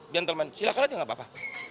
gentlemen silahkan aja gak apa apa